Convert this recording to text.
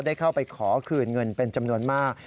ได้เข้าไปขอคืนเงินเป็นจำนวนมาก